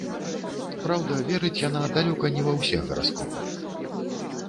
Праўда, верыць яна далёка не ва ўсе гараскопы.